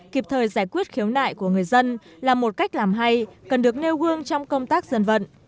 kịp thời giải quyết khiếu nại của người dân là một cách làm hay cần được nêu gương trong công tác dân vận